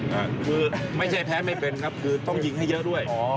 คือไม่ใช่แพ้ไม่เป็นครับคือต้องยิงให้เยอะด้วยอ๋อ